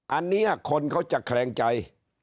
อันนี้คนเขาจะแคลงใจ